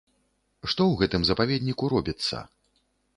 Што ў гэтым запаведніку робіцца?